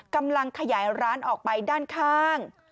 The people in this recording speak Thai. กำลังขยายร้านออกไปด้านข้าง